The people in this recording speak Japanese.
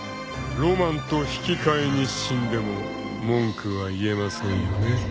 ［ロマンと引き換えに死んでも文句は言えませんよね］